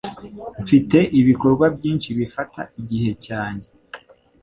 Mfite ibikorwa byinshi bifata igihe cyanjye.